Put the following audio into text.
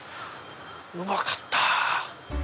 うまかった！